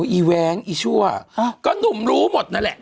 อีแว้งอีชั่วก็หนุ่มรู้หมดนั่นแหละ